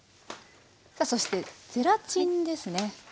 さあそしてゼラチンですね。